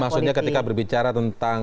jadi maksudnya ketika berbicara tentang